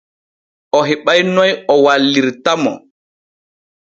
O heɓa'i noy o wallirta mo.